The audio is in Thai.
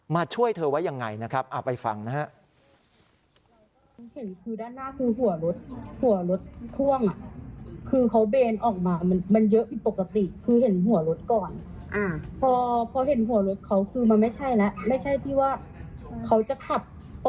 มาช่วยเธอไว้อย่างไรนะครับไปฟังนะครับ